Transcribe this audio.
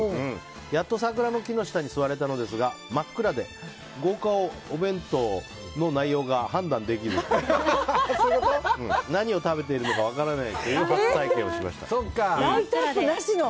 やっと桜の木の下に座れたのですが真っ暗で豪華お弁当の内容が判断できず何を食べているか分からないという初体験をしました。